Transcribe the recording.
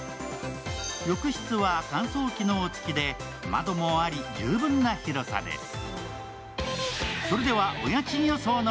浴室は乾燥機能付きで窓もあり、十分な広さです。